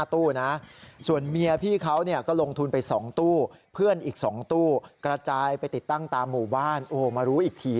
ตอนแรกเขากลับมาเห็นให้ลูก